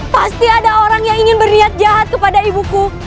pasti ada orang yang ingin berniat jahat kepada ibuku